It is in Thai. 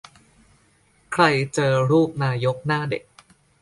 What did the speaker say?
ใครเจอรูปนายกหน้าเด็ก